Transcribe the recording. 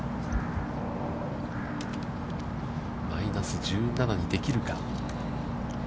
マイナス１７にできるか。